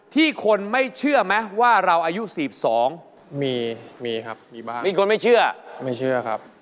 มีคนไม่เชื่อเหรอคะไม่เชื่อครับ